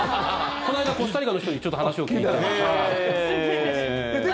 この間、コスタリカの人にちょっと話を聞いたので。